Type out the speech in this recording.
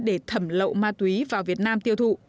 để thẩm lậu ma túy vào việt nam tiêu thụ